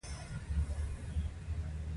قانون د ولسمشر لخوا توشیح کیږي.